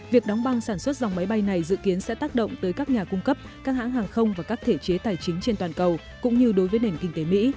việc đóng băng sản xuất dòng máy bay này dự kiến sẽ tác động tới các nhà cung cấp các hãng hàng không và các thể chế tài chính trên toàn cầu cũng như đối với nền kinh tế mỹ